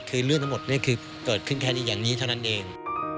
คือเรื่องทั้งหมดนี่คือเกิดขึ้นแค่นี้อย่างนี้เท่านั้นเอง